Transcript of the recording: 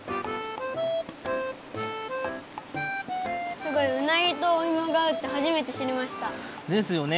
すごいうなぎとおいもがあうってはじめてしりました。ですよね。